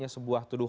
kaya gitu sih